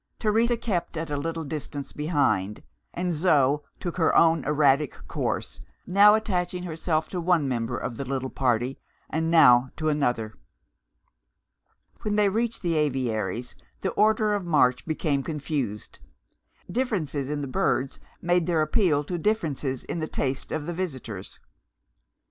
Teresa kept at a little distance behind; and Zo took her own erratic course, now attaching herself to one member of the little party, and now to another. When they reached the aviaries the order of march became confused; differences in the birds made their appeal to differences in the taste of the visitors.